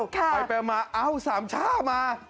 ไปไปแล้วเอ้าสามชาติมา